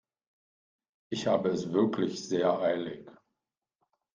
Ich habe es wirklich sehr eilig.